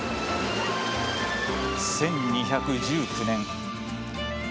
１２１９年。